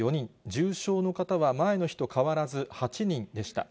重症の方は前の日と変わらず８人でした。